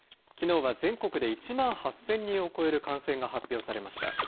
きのうは全国で１万８０００人を超える感染が発表されました。